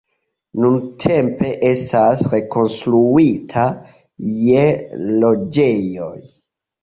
Nuntempe estas rekonstruita je loĝejoj.